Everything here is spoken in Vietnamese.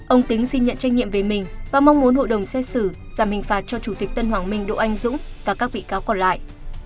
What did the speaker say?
ông tính xin nhận trách nhiệm về mình và mong muốn hội đồng xét xử giảm hình phạt cho chủ tịch tân hoàng minh đỗ anh dũng và các bị cáo còn lại